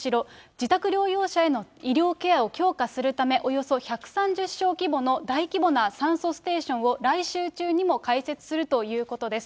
自宅療養者への医療ケアを強化するため、およそ１３０床規模の大規模な酸素ステーションを、来週中にも開設するということです。